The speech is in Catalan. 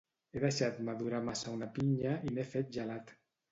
He deixat madurar massa una pinya i n'he fet gelat